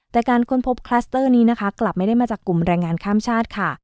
แต่การค้นพบคลัสเตอร์นี้นะคะกลับไม่ได้มาจากกลุ่มแรงงานข้ามชาติค่ะ